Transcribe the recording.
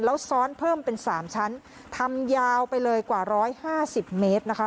แล้วซ้อนเพิ่มเป็น๓ชั้นทำยาวไปเลยกว่า๑๕๐เมตรนะคะ